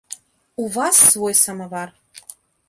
У вас свой самавар.